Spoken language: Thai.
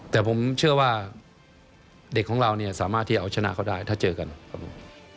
แต่ผมเชื่อว่าเด็กของเราเนี่ยสามารถที่เอาชนะเขาได้ถ้าเจอกันครับผม